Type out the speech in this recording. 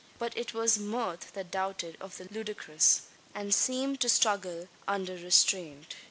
But it was mirth that doubted of the ludicrous; and seemed to struggle under restraint.